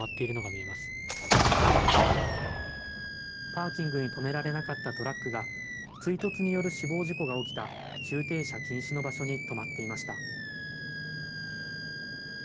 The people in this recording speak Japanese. パーキングに止められなかったトラックが、追突による死亡事故が起きた、駐停車禁止の場所に止まっていました。